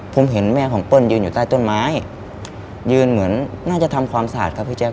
ผมเห็นแม่ของเปิ้ลยืนอยู่ใต้ต้นไม้ยืนเหมือนน่าจะทำความสะอาดครับพี่แจ๊